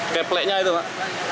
pepletnya itu pak